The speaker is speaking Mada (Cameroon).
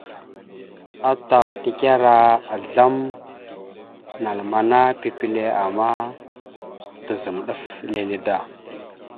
Atal tekara azlam (naləmana) pipile ama tazam ɗaf lele da.